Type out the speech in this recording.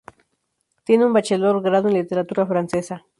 Tiene un bachelor grado en literatura francesa.